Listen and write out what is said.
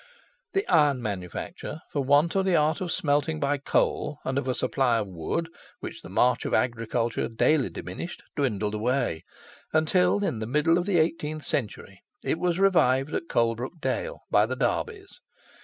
The iron manufacture, for want of the art of smelting by coal, and of a supply of wood, which the march of agriculture daily diminished, dwindled away, until, in the middle of the eighteenth century, it was revived at Colebrook Dale by the Darbys.